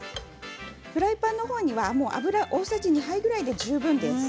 フライパンには油を大さじ２杯ぐらいで十分です。